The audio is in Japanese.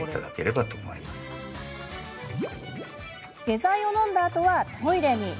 下剤を飲んだあとはトイレに。